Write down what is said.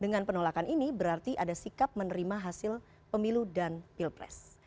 dengan penolakan ini berarti ada sikap menerima hasil pemilu dan pilpres